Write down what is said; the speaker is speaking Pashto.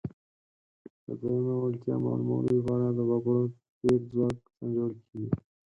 د دویمې وړتیا معلومولو لپاره د وګړو پېر ځواک سنجول کیږي.